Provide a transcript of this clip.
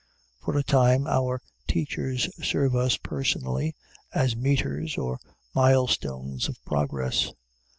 For a time our teachers serve us personally, as meters or milestones of progress.